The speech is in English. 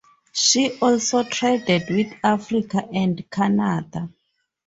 She also traded with Africa and Canada.